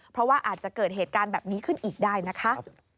เพราะว่าอาจจะเกิดเหตุการณ์แบบนี้ขึ้นอีกได้นะคะ